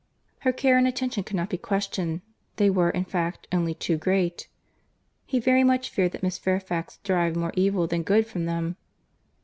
Her care and attention could not be questioned; they were, in fact, only too great. He very much feared that Miss Fairfax derived more evil than good from them.